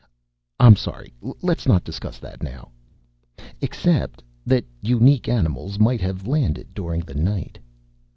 "I'm sorry. Let's not discuss that now." "Except that unique animals might have landed during the night."